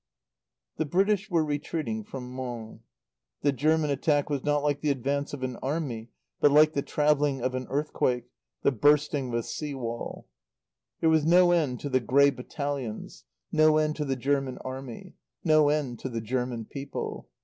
The British were retreating from Mons. The German attack was not like the advance of an Army but like the travelling of an earthquake, the bursting of a sea wall. There was no end to the grey battalions, no end to the German Army, no end to the German people.